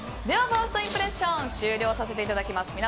ではファーストインプレッション終了させていただきます。